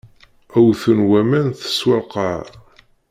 Wten waman teswa lqaɛa.